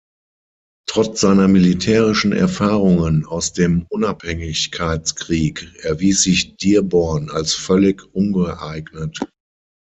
Trotz seiner militärischen Erfahrungen aus dem Unabhängigkeitskrieg erwies sich Dearborn als völlig ungeeignet.